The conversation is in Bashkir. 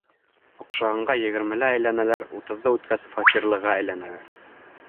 Оҡшағанға егермелә әйләнәләр, утыҙҙы үткәс, фатирлыға әйләнәләр.